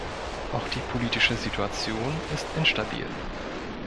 Auch die politische Situation ist instabil.